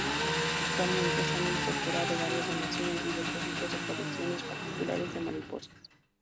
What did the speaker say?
Actualmente se han incorporado varias donaciones y depósitos de colecciones particulares de mariposas.